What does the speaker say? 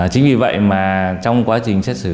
chính vì vậy mà trong quá trình xét xử